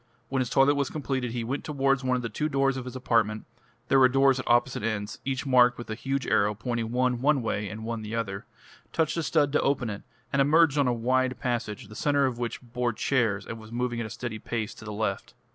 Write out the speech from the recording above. When his toilet was completed he went towards one of the two doors of his apartment there were doors at opposite ends, each marked with a huge arrow pointing one one way and one the other touched a stud to open it, and emerged on a wide passage, the centre of which bore chairs and was moving at a steady pace to the left.